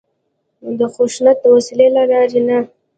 د خشونت د وسلې له لارې نه.